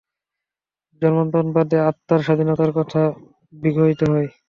জন্মান্তরবাদে আত্মার স্বাধীনতার কথা বিঘোষিত হয়।